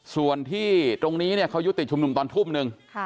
ส่วนที่ตรงนี้เนี่ยเขายุดติดชุมนุมตอนทุ่มนึง